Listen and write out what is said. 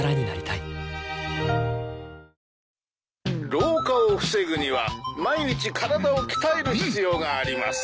老化を防ぐには毎日体を鍛える必要があります。